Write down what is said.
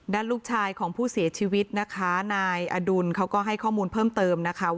นัดลูกชายของผู้เสียชีวิตอดูลให้ข้อมูลเพิ่มเติมนะคะว่า